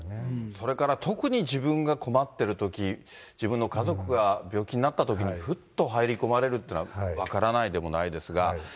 それから特に自分が困ってるとき、自分の家族が病気になったときに、ふっと入り込まれるっていうのは、分からないでもないですが。